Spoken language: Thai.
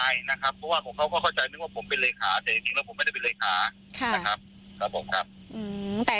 เพราะว่าผมเขาก็เข้าใจว่าผมเป็นเลขาแต่จริงแล้วผมไม่ได้เป็นเลขานะครับ